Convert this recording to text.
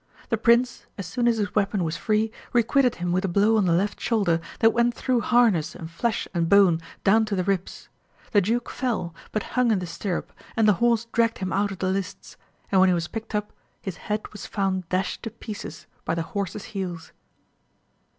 The prince, as soon as his weapon was free, requited him with a blow on the left shoulder that went through harness and flesh and bone, down to the ribs. The duke fell, but hung in the stirrup, and the horse dragged him out of the lists, and when . he was picked up his head was found dashed to pieces by the horse's heels.